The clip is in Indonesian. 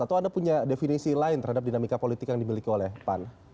atau anda punya definisi lain terhadap dinamika politik yang dimiliki oleh pan